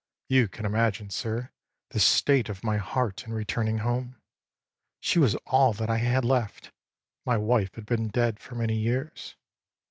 You can imagine, sir, the state of my heart in returning home. She was all that I had left, my wife had been dead for many years.